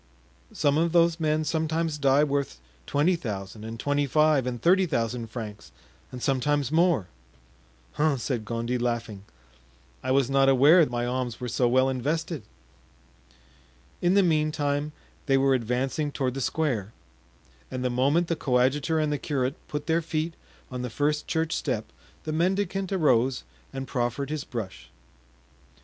"Some of those men sometimes die worth twenty thousand and twenty five and thirty thousand francs and sometimes more." "Hum!" said Gondy, laughing; "I was not aware my alms were so well invested." In the meantime they were advancing toward the square, and the moment the coadjutor and the curate put their feet on the first church step the mendicant arose and proffered his brush.